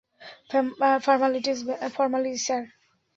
Formalities, sir.